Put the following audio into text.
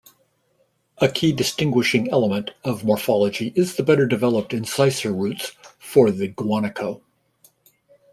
A key distinguishing element of morphology is the better-developed incisor roots for the guanaco.